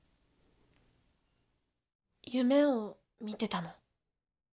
夢を見てたの。